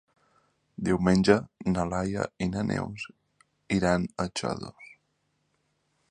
Diumenge na Laia i na Neus iran a Xodos.